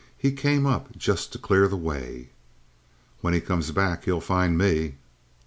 He came up just to clear the way." "When he comes back he'll find me!"